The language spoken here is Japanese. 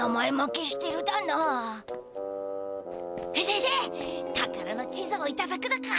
せんせ宝の地図をいただくだか？